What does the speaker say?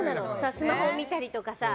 スマホを見たりとかさ。